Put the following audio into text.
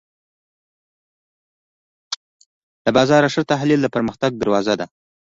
د بازار ښه تحلیل د پرمختګ دروازه ده.